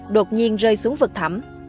đột nhiên rơi xuống vực thẳm